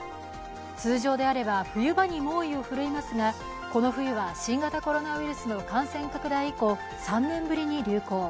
通常であれば冬場に猛威を振るいますがこの冬は新型コロナウイルスの感染拡大以降、３年ぶりに流行。